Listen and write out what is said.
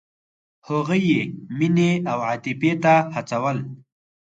هغوی یې مینې او عاطفې ته هڅول.